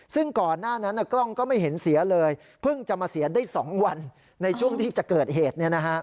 ซึ่งก่อนหน้านั้นกล้องก็ไม่เห็นเสียเลยเพิ่งจะมาเสียได้๒วันในช่วงที่จะเกิดเหตุ